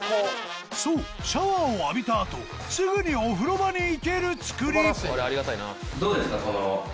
そうシャワーを浴びたあとすぐにお風呂場に行ける造り